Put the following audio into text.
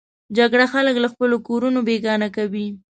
جګړه خلک له خپلو کورونو بېګانه کوي